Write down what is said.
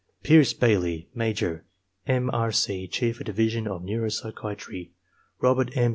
Pearce Bailey, Major ^ M, R. C, Chief of Division of N euro psychiatry. Robert M.